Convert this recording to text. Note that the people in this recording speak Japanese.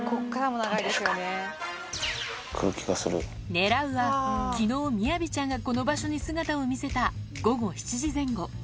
ねらうは、きのう、みやびちゃんがこの場所に姿を見せた午後７時前後。